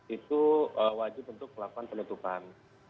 itu wajib untuk melakukan penutupan